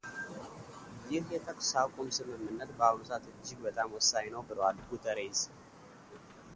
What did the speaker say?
ይህ የተኩስ አቁም ስምምነት በአሁኑ ሰዓት እጅግ በጣም ወሳኝ ነው ብለዋል ጉተሬዝ።